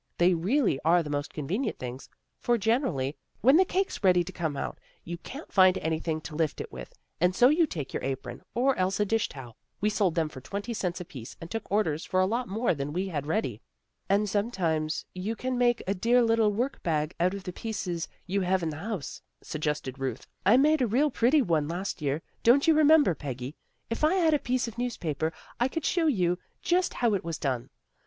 They really are the most convenient things; for, generally, when the cake's ready to come out, you can't find anything to lift it with, and so you take your apron, or else a dish towel. We sold them for twenty cents apiece and took orders for a lot more than we had ready." " And, sometimes, you can make a dear little work bag out of pieces you have in the house," suggested Ruth. " I made a real pretty one last year: don't you remember, Peggy? If I had a piece of newspaper I could show you just ELAINE HAS VISITORS 95 how it was done.